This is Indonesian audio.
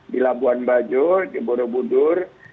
di labuan bajo di borobudur